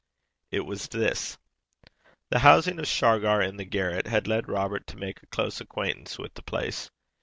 It was this: The housing of Shargar in the garret had led Robert to make a close acquaintance with the place.